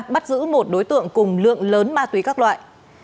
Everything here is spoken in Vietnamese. bắt giữ một đối tượng cùng lượng lớn ma túy các loại